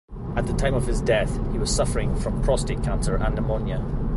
At the time of his death, he was suffering from prostate cancer and pneumonia.